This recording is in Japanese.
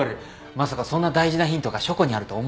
まさかそんな大事なヒントが書庫にあると思わなくて。